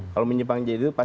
kalau menyimpang jadi itu pasti